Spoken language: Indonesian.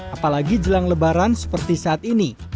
apalagi jelang lebaran seperti saat ini